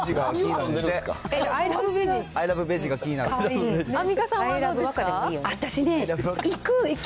アイラブベジが気になる。